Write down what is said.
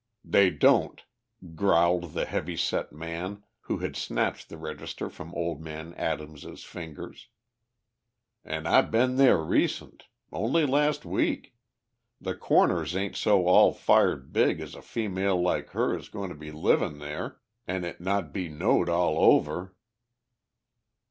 "They don't," growled the heavy set man who had snatched the register from old man Adams' fingers. "An' I been there recent. Only last week. The Corners ain't so all fired big as a female like her is goin' to be livin' there an' it not be knowed all over."